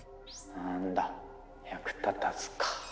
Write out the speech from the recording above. なんだ役立たずか。